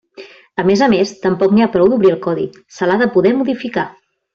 A més a més, tampoc n'hi ha prou d'obrir el codi, se l'ha de poder modificar.